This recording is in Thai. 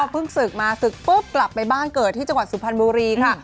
เพิ่งศึกมาศึกปุ๊บกลับไปบ้านเกิดที่จังหวัดสุพรรณบุรีค่ะ